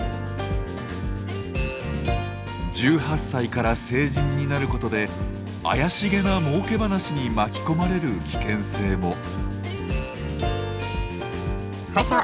１８歳から成人になることで「怪しげな儲け話」に巻き込まれる危険性も。